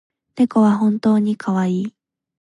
猫は本当にかわいい